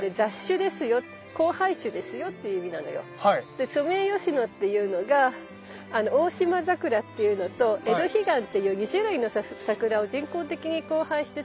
でソメイヨシノっていうのがオオシマザクラっていうのとエドヒガンっていう２種類のサクラを人工的に交配して作られた種類なのね。